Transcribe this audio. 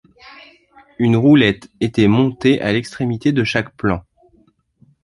Une roulette était montée à l'extrémité de chaque plan.